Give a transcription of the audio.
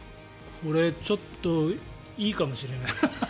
これ、ちょっといいかもしれない。